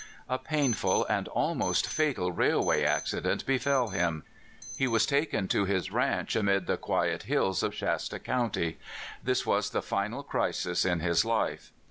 A painful and almost fatal railway accident be fell him. He was taken to his ranch among the quiet hills of Shasta County. This was the final crisis in his life.